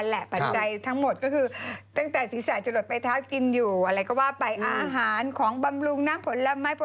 แล้อยังไงต่อตัวลงซื้ออะไรคะอันดับแรกเลย